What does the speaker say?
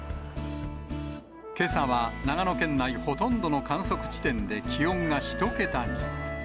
けさは長野県内ほとんどの観測地点で、気温が１桁に。